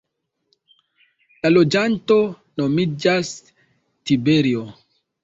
La loĝanto nomiĝas "tiberio".